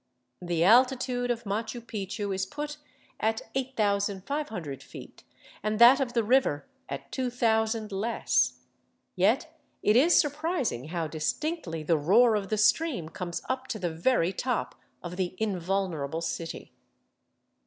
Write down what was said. The altitude of Machu Picchu is put at 8500 feet and that of the river at 2000 less, yet it is surprising how distinctly the roar of the stream comes up to the very top of the invulnerable city.